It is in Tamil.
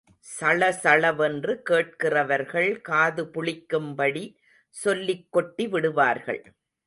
சளசளவென்று கேட்கிறவர்கள் காது புளிக்கும் படி சொல்லிக் கொட்டி விடுவார்கள்.